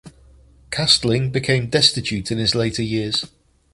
Castling became destitute in his later years.